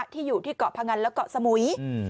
ที่อยู่ที่เกาะพงันและเกาะสมุย